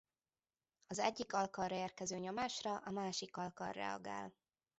Az egyik alkarra érkező nyomásra a másik alkar reagál.